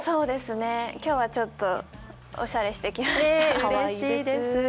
今日はちょっと、オシャレしてきました。